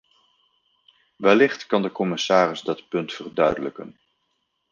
Wellicht kan de commissaris dat punt verduidelijken.